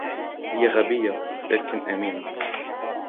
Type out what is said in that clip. هي غبية, ولكن أمينة.